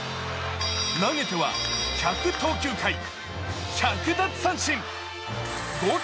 投げては１００投球回、１００奪三振合計